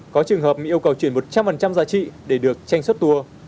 có trường hợp bị yêu cầu chuyển một trăm linh giá trị để được tranh xuất tour